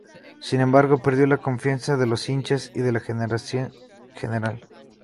Sin embargo, perdió la confianza de los hinchas y de la gerencia general.